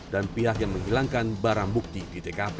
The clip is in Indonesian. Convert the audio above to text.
dan pihak yang menghilangkan barang bukti di tkp